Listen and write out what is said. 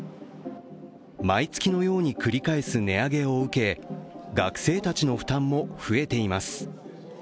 毎月のように繰り返す値上げを受け学生たちの負担も増えています。